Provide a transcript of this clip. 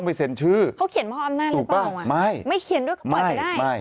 ไม่เขียนด้วยเขาปล่อยไปได้